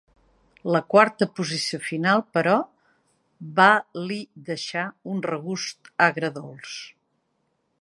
La quarta posició final, però, va li deixar un regust agredolç.